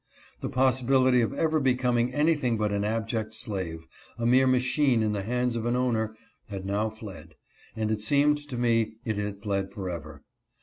The possibility of ever becoming anything but an abject slave, a mere machine in the hands of an owner, had now fled, and it seemed to me it had fled forever.